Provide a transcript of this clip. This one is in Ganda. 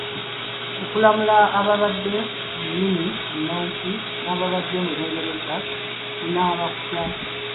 Okulamula ababadde mu nnimi ennansi n’ababadde mu Lungereza kunaaba kutya?